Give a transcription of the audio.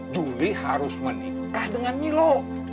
jubi harus menikah dengan milo